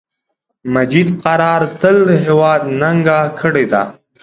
مجید قرار تل د هیواد ننګه کړی ده